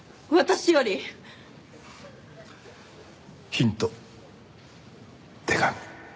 ヒント手紙。